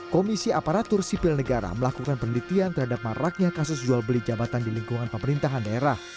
komisi aparatur sipil negara melakukan penelitian terhadap maraknya kasus jual beli jabatan di lingkungan pemerintahan daerah